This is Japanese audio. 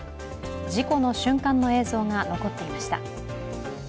事故の瞬間の映像が残っていました。